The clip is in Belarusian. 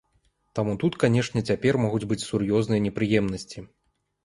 Таму тут, канешне, цяпер могуць быць сур'ёзныя непрыемнасці.